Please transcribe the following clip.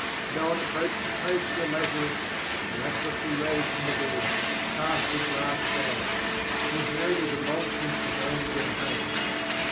No one approached the place where Lazarus, miraculously raised from the dead, passed his last days, for his neighbours had long since abandoned their homes.